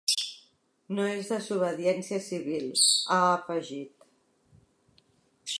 No es desobediència civil, ha afegit.